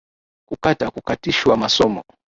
Kukataa kukatishwa masomo